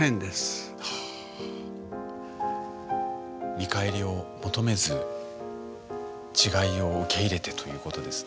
見返りを求めず違いを受け入れてということですね。